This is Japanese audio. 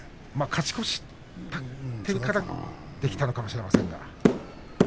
勝ち越しているからできたのかもしれませんね。